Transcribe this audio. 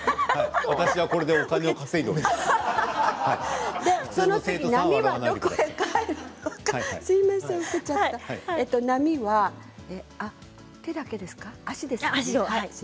私はこれでお金を稼いでいます。